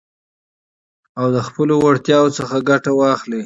او د خپلو وړتياوو څخه ګټه واخلٸ.